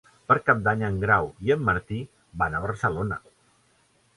Per Cap d'Any en Grau i en Martí van a Barcelona.